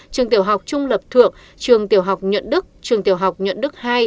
trường tiểu học trung lập thượng trường tiểu học nhận đức trường tiểu học nhận đức hai